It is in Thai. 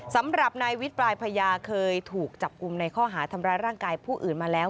สำหรับนายวิทย์ปลายพญาเคยถูกจับกลุ่มในข้อหาทำร้ายร่างกายผู้อื่นมาแล้ว